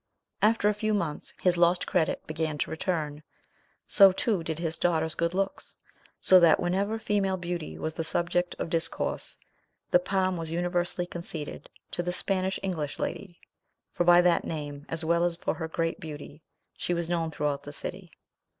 After a few months his lost credit began to return; so, too, did his daughter's good looks, so that, whenever female beauty was the subject of discourse, the palm was universally conceded to the Spanish English lady; for by that name, as well as for her great beauty, she was known throughout the city.